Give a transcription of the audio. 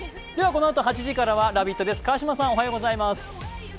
このあと８時からは「ラヴィット！」です。